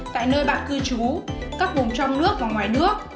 tại nơi bạn cư trú các vùng trong nước và ngoài nước